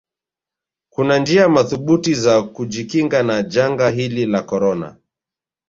kunanjia madhubuti za kujikinga na janga hili la korona